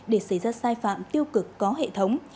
để xảy ra sai phạm tiêu cực có hệ thống